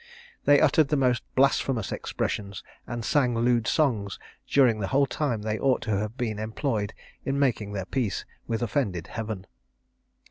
They uttered the most blasphemous expressions, and sang lewd songs during the whole time they ought to have been employed in making their peace with offended Heaven.